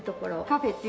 カフェ。